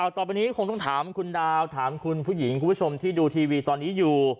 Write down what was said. ต่อไปนี้คงต้องถามคุณดาวถามคุณผู้หญิงคุณผู้ชมที่ดูทีวีตอนนี้อยู่